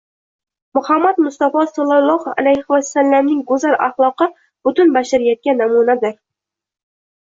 Muhammad mustafo sollallohu alayhi vasallamning go‘zal axloqi butun bashariyatga namunadir